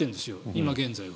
今現在は。